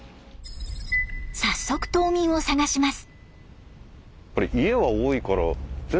早速島民を捜します。